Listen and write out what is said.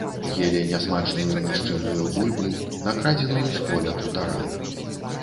Елі нясмачную нішчымную бульбу, накрадзеную з поля хутаран.